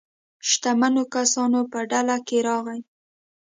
شتمنو کسانو په ډله کې راغی.